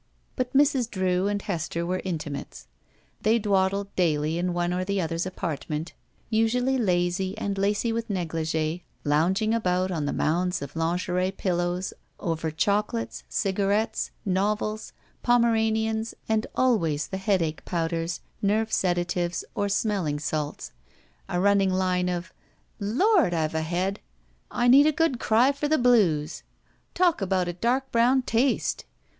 But Mrs. Drew and Hester were intimates. They dwaddled daily in one or the other's apartment, usually lazy and lacy with neglig^, lounging about on the motmds of lingerie pillows over chocolates, cigarettes, novels, Pomeranians, and always the headache powders, nerve sedatives, or smelling salts, a running line of: "Lord! I've a head!" "I need a good cry for the blues!" "Talk about a dark brown taste!"